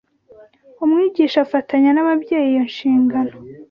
Umwigisha afatanya n’ababyeyi iyo nshingano